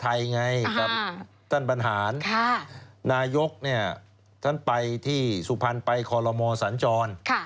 ตั้งแต่ฐานนายกท่านไปที่สุพรรณไปคลมศรรจร